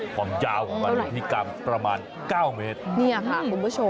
ความยาวของมันประมาณ๙เมตร